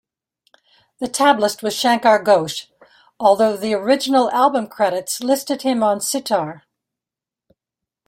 The tablist was Shankar Ghosh, although the original album credits listed him on sitar.